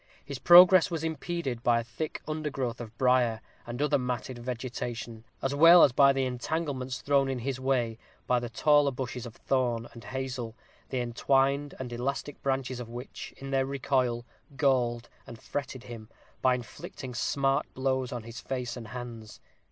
His progress was impeded by a thick undergrowth of brier, and other matted vegetation, as well as by the entanglements thrown in his way by the taller bushes of thorn and hazel, the entwined and elastic branches of which, in their recoil, galled and fretted him, by inflicting smart blows on his face and hands.